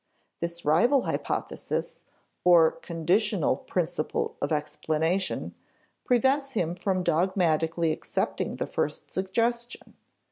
This rival hypothesis (or conditional principle of explanation) prevents him from dogmatically accepting the first suggestion.